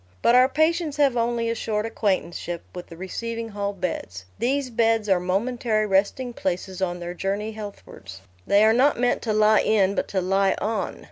But our patients have only a short acquaintanceship with the receiving hall beds: these beds are momentary resting places on their journey healthwards: they are not meant to lie in but to lie on.